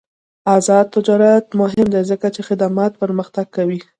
آزاد تجارت مهم دی ځکه چې خدمات پرمختګ کوي.